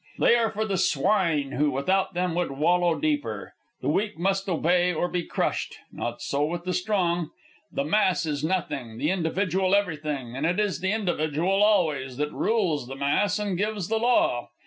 They are for the swine who without them would wallow deeper. The weak must obey or be crushed; not so with the strong. The mass is nothing; the individual everything; and it is the individual, always, that rules the mass and gives the law.